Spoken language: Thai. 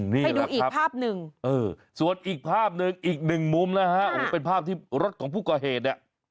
นี่แหละครับส่วนอีกภาพหนึ่งอีกหนึ่งมุมนะฮะเป็นภาพที่รักของผู้ก่อเหตุ